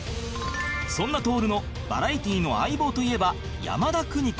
そんな徹のバラエティーの相棒といえば山田邦子